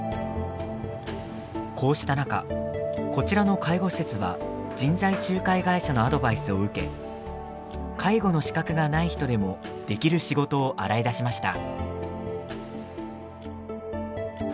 こうした中こちらの介護施設は人材仲介会社のアドバイスを受け介護の資格がない人でもできる仕事を洗い出しました。